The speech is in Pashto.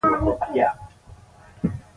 توره ونغاړه خوشحاله.